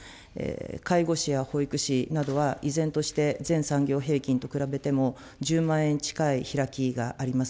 介護士や保育士などは、依然として全産業平均と比べても、１０万円近い開きがあります。